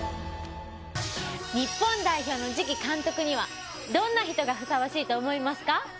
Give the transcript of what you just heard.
日本代表の次期監督にはどんな人がふさわしいと思いますか？